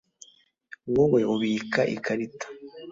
wowe ubika ikarita